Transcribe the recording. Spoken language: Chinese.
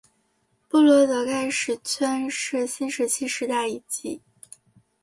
布罗德盖石圈是新石器时代遗迹。